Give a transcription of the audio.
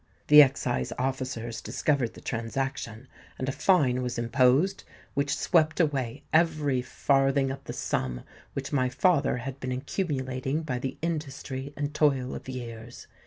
The excise officers discovered the transaction; and a fine was imposed which swept away every farthing of the sum which my father had been accumulating by the industry and toil of years.